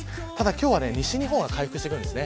今日は西日本は回復してきます。